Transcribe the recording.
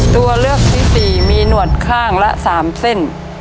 ตัวเลือกที่๔มีหนวดข้างละ๓เส้น